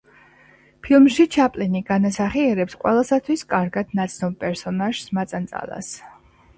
ფილმში ჩაპლინი განასახიერებს ყველასთვის კარგად ნაცნობ პერსონაჟს მაწანწალას.